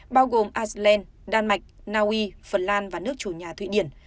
bao gồm iceland đan mạch naui phần lan và nước chủ nhà thụy điển